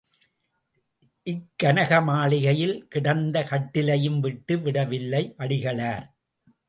இக்கனக மாளிகையில் கிடந்த கட்டிலையும் விட்டு விடவில்லை அடிகளார்.